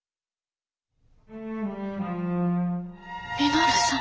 稔さん。